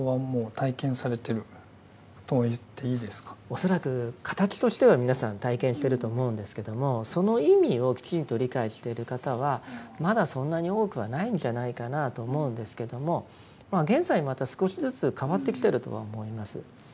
恐らく形としては皆さん体験してると思うんですけどもその意味をきちんと理解している方はまだそんなに多くはないんじゃないかなと思うんですけども現在また少しずつ変わってきてるとは思います。